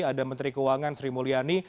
ada menteri keuangan sri mulyani